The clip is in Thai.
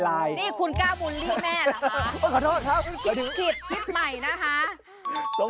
นี่คุณกล้าบุญรีกแม่ละคะ